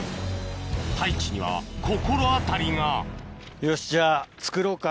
太一には心当たりがよしじゃあ作ろうか。